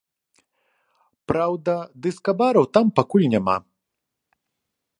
Праўда, дыска-бараў там пакуль няма.